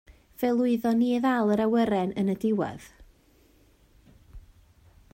Fe lwyddon ni i ddal yr awyren yn y diwedd.